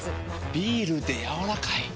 ビールでやわらかい。